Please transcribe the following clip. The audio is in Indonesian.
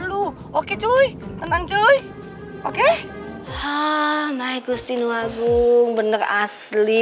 lu oke cuy tenang cuy oke my gustinu agung bener asli